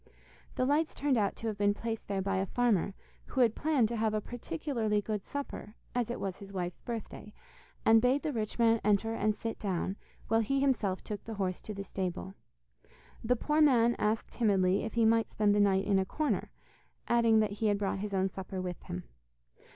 The lights turned out to have been placed there by a farmer, who had planned to have a particularly good supper as it was his wife's birthday, and bade the rich man enter and sit down, while he himself took the horse to the stable. The poor man asked timidly if he might spend the night in a corner, adding that he had brought his own supper with him.